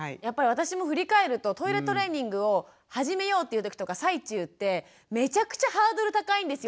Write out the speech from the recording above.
私も振り返るとトイレトレーニングを始めようというときとか最中ってめちゃくちゃハードル高いんですよ